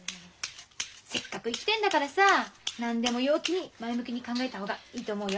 せっかく生きてんだからさ何でも陽気に前向きに考えた方がいいと思うよ。